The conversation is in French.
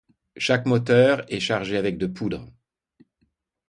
Chaque moteur est chargé avec de poudre.